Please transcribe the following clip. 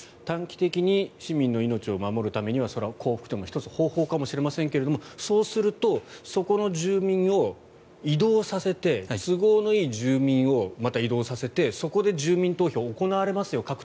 短期的に市民の命を守るためにはそれは降伏というのも１つ、方法かもしれませんがそうするとそこの住民を移動させて都合のいい住民をまた移動させてそこで住民投票が行われますよ